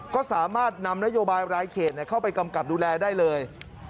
ก็สามารถนำนโยบายรายเขตเข้าไปกำกับดูแลได้เลย